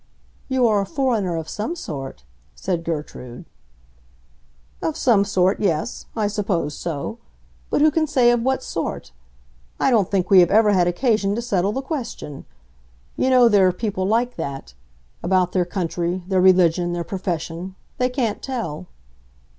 "You are a foreigner of some sort," said Gertrude. "Of some sort—yes; I suppose so. But who can say of what sort? I don't think we have ever had occasion to settle the question. You know there are people like that. About their country, their religion, their profession, they can't tell."